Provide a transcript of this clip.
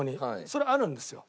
それあるんですよ。